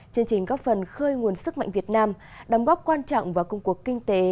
chương trình góp phần khơi nguồn sức mạnh việt nam đóng góp quan trọng vào công cuộc kinh tế